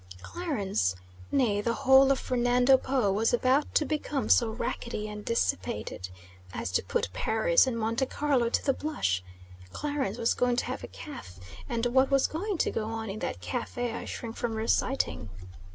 Clarence, nay, the whole of Fernando Po, was about to become so rackety and dissipated as to put Paris and Monte Carlo to the blush. Clarence was going to have a cafe; and what was going to go on in that cafe I shrink from reciting.